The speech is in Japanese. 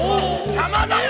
邪魔だよ！